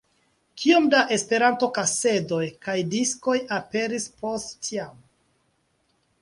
Kiom da Esperanto-kasedoj kaj diskoj aperis post tiam!